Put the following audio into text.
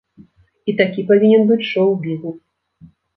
І такі павінен быць шоў-бізнес.